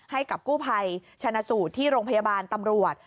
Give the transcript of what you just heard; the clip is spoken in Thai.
ให้กับกู้ภัยชนะสูตรที่โรงพยาบาลตำรวจ